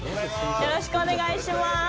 よろしくお願いします。